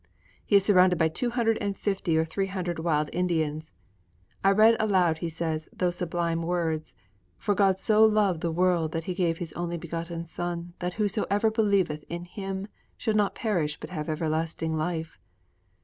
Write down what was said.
He is surrounded by two hundred and fifty or three hundred wild Indians. 'I read aloud,' he says, 'those sublime words: _For God so loved the world that He gave His only begotten Son that whosoever believeth in Him should not perish but have everlasting life.